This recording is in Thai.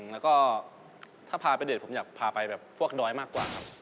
แล้วก็ถ้าพาไปเด็ดผมอยากพาไปแบบพวกดอยมากกว่าครับ